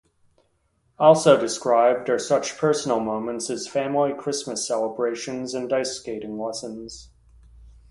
Also described are such personal moments as family Christmas celebrations and ice skating lessons.